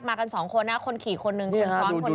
กันสองคนนะคนขี่คนหนึ่งคนซ้อนคนหนึ่ง